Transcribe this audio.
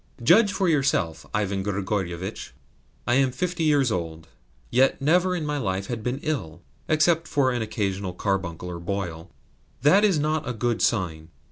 "Judge for yourself, Ivan Grigorievitch. I am fifty years old, yet never in my life had been ill, except for an occasional carbuncle or boil. That is not a good sign.